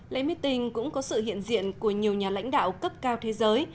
lễ mít tinh cũng có sự hiện diện của nhiều nhà lãnh đạo cấp cao thế giới